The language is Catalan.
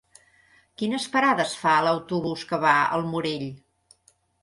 Quines parades fa l'autobús que va al Morell?